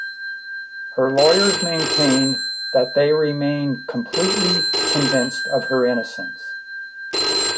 Her lawyers maintained that they remained completely convinced of her innocence.